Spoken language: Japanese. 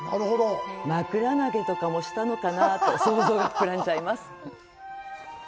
枕投げとかもしたのかなと想像が膨らんじゃいます。